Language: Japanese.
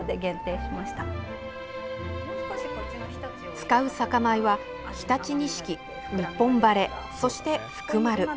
使う酒米は「ひたち錦」「日本晴」そして「ふくまる」。